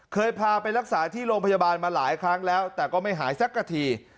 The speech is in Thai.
เคยพาไปรักษาที่โรงพยาบาลมาหลายครั้งแล้วแต่ก็ไม่หายสักกะที